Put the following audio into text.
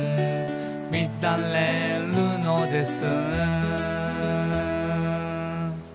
「みだれるのです」